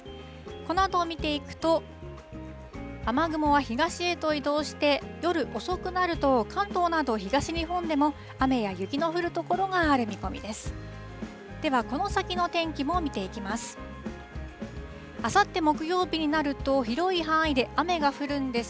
このあとを見ていくと、雨雲は東へと移動して、夜遅くなると、関東など東日本でも、雨や雪の降る所がある見込みです。